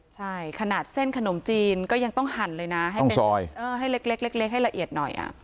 ใช่ขนาดเส้นขนมจีนก็ยังต้องหั่นเลยนะให้เล็กให้ละเอียดหน่อย